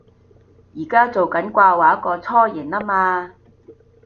而家做緊掛畫個雛形吖嘛